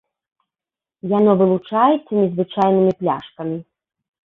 Яно вылучаецца незвычайнымі пляшкамі.